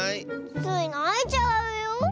スイないちゃうよ。